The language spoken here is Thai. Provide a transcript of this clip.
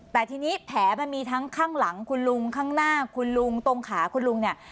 แต่ทีนี้แผลมันมีทั้งข้างหลังคุณลุงข้างหน้าคุณลุงตรงขาคุณลุงเนี่ย